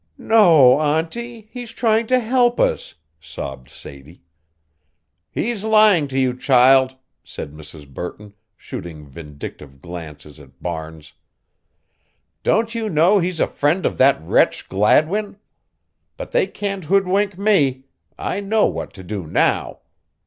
"No, auntie, he's trying to help us," sobbed Sadie. "He's lying to you, child," said Mrs. Burton, shooting vindictive glances at Barnes. "Don't you know he's a friend of that wretch Gladwin? But they can't hoodwink me. I know what to do now!